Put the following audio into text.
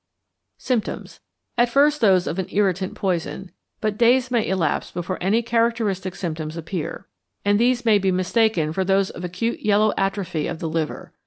Symptoms. At first those of an irritant poison, but days may elapse before any characteristic symptoms appear, and these may be mistaken for those of acute yellow atrophy of the liver.